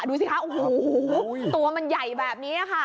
ดูสิคะโอ้โหตัวมันใหญ่แบบนี้ค่ะ